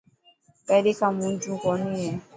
پهرين کان موجون ڪوني هي.